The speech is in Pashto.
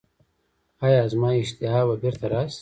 ایا زما اشتها به بیرته راشي؟